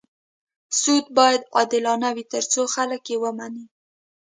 سود باید عادلانه وي تر څو خلک یې ومني.